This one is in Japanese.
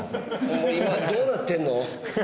もう今どうなってんの？